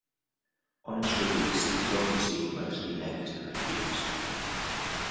On its release, the film received mostly negative reviews.